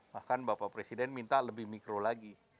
bahkan bapak presiden minta lebih mikro lagi